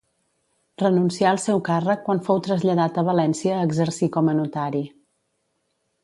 Renuncià al seu càrrec quan fou traslladat a València a exercir com a notari.